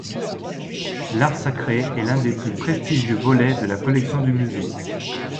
L'art sacré est l'un des plus prestigieux volets de la collection du musée.